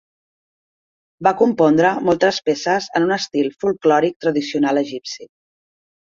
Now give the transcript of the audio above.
Va compondre moltes peces en un estil folklòric tradicional egipci.